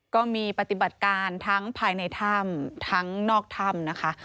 ปฏิบัติการทั้งภายในถ้ำทั้งนอกถ้ำนะคะ